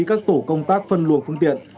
các tổ công tác phân luận phương tiện